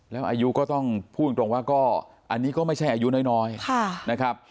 แล้วอายุก็ต้องพูดตรงว่าก็อันนี้ก็ไม่ใช่อายุน้อยนะครับ